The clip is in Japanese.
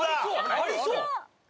ありそう！